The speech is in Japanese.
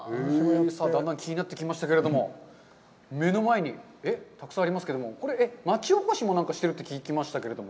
だんだん気になってきましたけれども、目の前にたくさんありますけど、これ、町おこしもしてるって聞きましたけど。